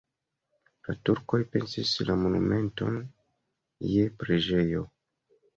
La turkoj pensis la monumenton je preĝejo.